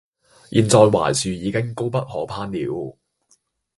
現在槐樹已經高不可攀了，